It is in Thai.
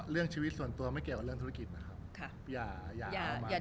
รูปนั้นผมก็เป็นคนถ่ายเองเคลียร์กับเรา